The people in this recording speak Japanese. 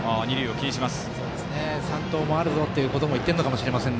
三盗もあるぞということも言ってるかもしれません